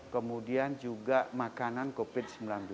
kemudian juga makanan covid sembilan belas